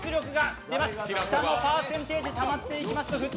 下のパーセンテージたまっていきます、